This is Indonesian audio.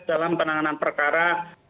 dalam penanganan perkara